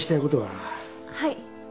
はい。